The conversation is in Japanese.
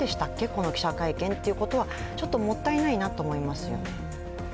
この記者会見はというのがちょっともったいないなって思いますよ。